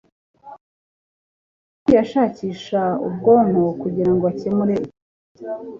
yagiye ashakisha ubwonko kugirango akemure ikibazo